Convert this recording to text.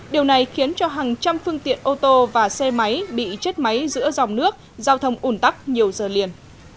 điều này khiến cho hàng trăm phương tiện ô tô và xe máy bị chết máy giữa dòng nước giao thông ủn tắc nhiều giờ liền